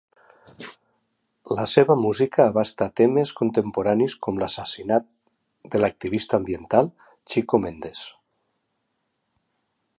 La seva música abasta temes contemporanis com l'assassinat de l'activista ambiental, Chico Mendes.